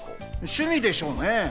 趣味でしょうね。